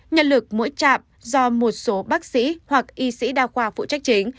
nhân lực mỗi trạm do một số bác sĩ hoặc y sĩ đa khoa phụ trách chính